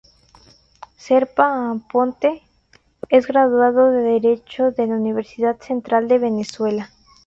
Zerpa Aponte es graduado de derecho de la Universidad Central de Venezuela.